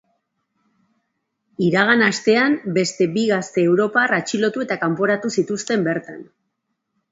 Iragan astean beste bi gazte europar atxilotu eta kanporatu zituzten bertan.